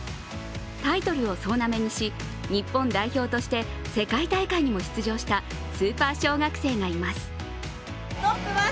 タイトルを総なめにし日本代表として世界大会にも出場したスーパー小学生がいます。